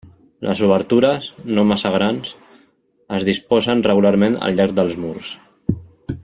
Les obertures, no massa grans, es disposen regularment al llarg dels murs.